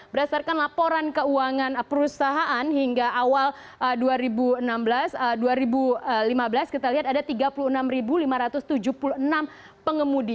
berdasarkan laporan keuangan perusahaan hingga awal dua ribu lima belas kita lihat ada tiga puluh enam lima ratus tujuh puluh enam pengemudi